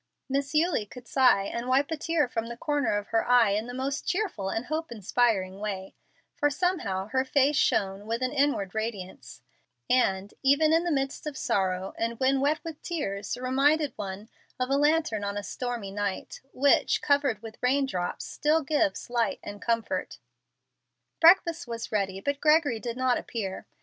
Miss Eulie could sigh and wipe a tear from the corner of her eye in the most cheerful and hope inspiring way, for somehow her face shone with an inward radiance, and, even in the midst of sorrow and when wet with tears, reminded one of a lantern on a stormy night, which, covered with rain drops, still gives light and comfort. Breakfast was ready, but Gregory did not appear.